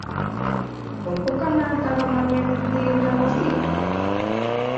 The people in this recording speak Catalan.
Com puc anar a Tagamanent dilluns al matí?